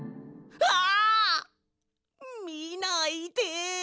あ！みないで。